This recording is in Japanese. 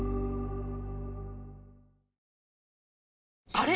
あれ？